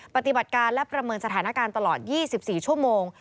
ปฏิบัติการและประเมินสถานการณ์ตลอด๒๔ชั่วโมง